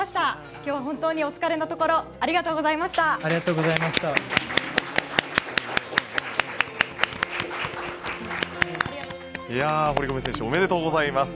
今日は本当にお疲れのところありがとうございました。